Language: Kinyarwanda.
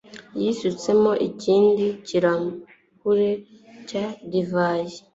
yisutseho ikindi kirahure cya divayi.